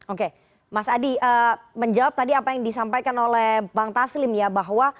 oke mas adi menjawab tadi apa yang disampaikan oleh bang taslim ya bahwa